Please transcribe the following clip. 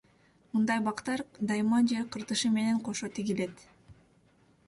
Мындай бактар дайыма жер кыртышы менен кошо тигилет.